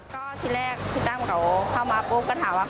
ก็ทีแรกพี่ตั้มเขาเข้ามาปุ๊บก็ถามว่า